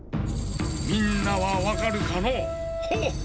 ⁉みんなはわかるかのう？